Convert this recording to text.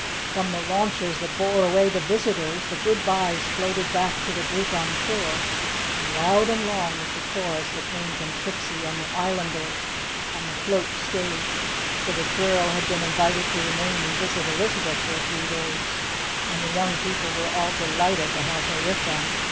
From the launches that bore away the visitors, the good byes floated back to the group on shore. And loud and long was the chorus that came from Trixie and the Islanders on the float stage, for the girl had been invited to remain and visit Elizabeth for a few days, and the young people were all delighted to have her with them.